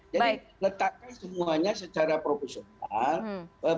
jadi letakkan semuanya secara profesional